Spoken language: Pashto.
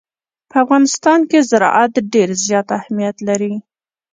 په افغانستان کې زراعت ډېر زیات اهمیت لري.